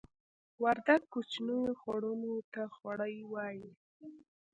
وردګ کوچنیو خوړونو ته خوړۍ وایې